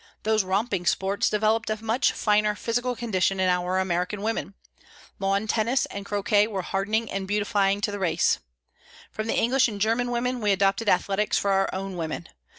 Those romping sports developed a much finer physical condition in our American women. Lawn tennis and croquet were hardening and beautifying the race. From the English and German women we adopted athletics for our own women.